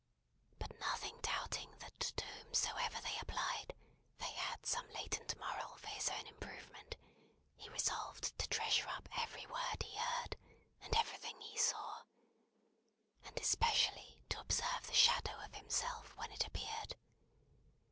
But nothing doubting that to whomsoever they applied they had some latent moral for his own improvement, he resolved to treasure up every word he heard, and everything he saw; and especially to observe the shadow of himself when it appeared.